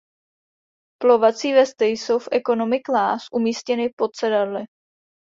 Plovací vesty jsou v economy class umístěny pod sedadly.